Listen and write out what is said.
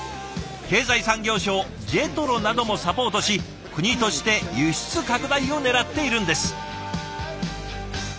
経済産業省ＪＥＴＲＯなどもサポートし国として輸出拡大をねらっているんです。